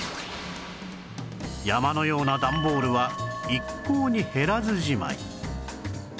山のような段ボールは一向に減らずじまい